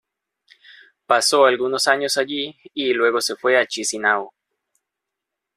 Pasó algunos años allí y luego se fue a Chisinau.